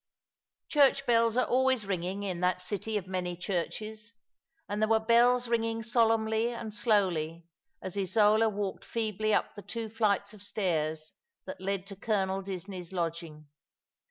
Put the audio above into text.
Ceuroh bells are always ringing in that city of many churches, and there were bells ringing solemnly and slowly as Isola walked feebly up the two flights of stairs that led to Colonel Disney's lodging.